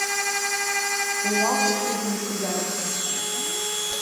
Уи ауп ихьыз Митридатгьы!